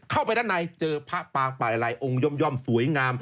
เข้าไปด้านในเจอพระปางปลายอะไรองค์ย่อมสวยงาม